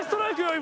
今。